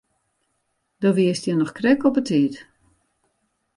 Do wiest hjir noch krekt op 'e tiid.